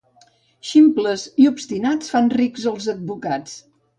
Ximples i obstinats fan rics els advocats.